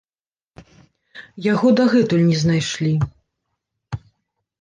Яго дагэтуль не знайшлі.